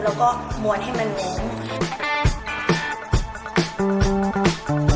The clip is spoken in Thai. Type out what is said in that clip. เราก็มวลให้มันมุม